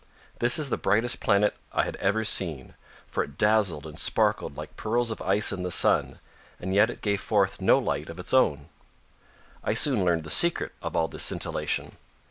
This is the brightest planet I had ever seen, for it dazzled and sparkled like pearls of ice in the sun, and yet it gave forth no light of its own. I soon learned the secret of all this scintillation.